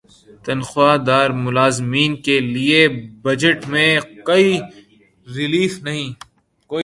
تنخواہ دار ملازمین کے لیے بجٹ میں کوئی ریلیف نہیں